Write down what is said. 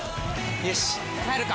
よし帰るか！